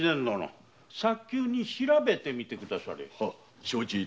早急に調べてみてくだされ。